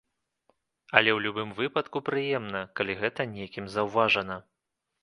Але ў любым выпадку прыемна, калі гэта некім заўважана.